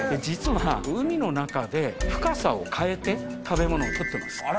実は海の中で深さを変えて食べ物をとってます。